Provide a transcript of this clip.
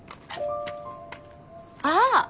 ああ！